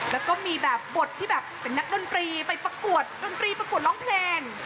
แล้วก็มีแบบบทที่แบบเป็นนักดนตรีไปประกวดดนตรีประกวดร้องเพลง